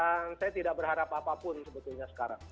dan saya tidak berharap apapun sebetulnya sekarang